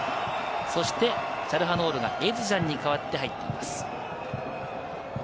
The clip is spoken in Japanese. そして、チャルハノールがエズジャンに代わって入っています。